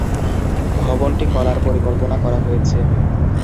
ভবনটি করার পরিকল্পনা করা হয়েছে।